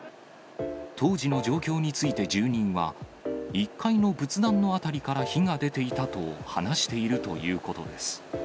当時の状況について住人は、１階の仏壇の辺りから火が出ていたと話しているということです。